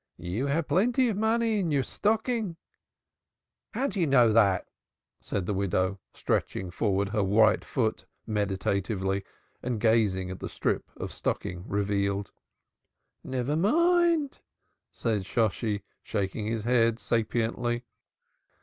You have plenty of money in your stocking." "How know you that?" said the widow, stretching forward her right foot meditatively and gazing at the strip of stocking revealed. "Never mind!" said Shosshi, shaking his head sapiently.